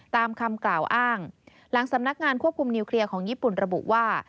ตามคำกล่าวอ้างหลังสำนักงานควบคุมนิวเคลียร์ของญี่ปุ่นระบุว่า